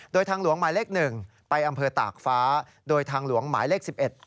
โดยทางหลวงหมายเลข๑ไปอำเภอตากฟ้าโดยทางหลวงหมายเลข๑๑